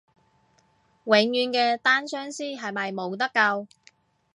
永遠嘅單相思係咪冇得救？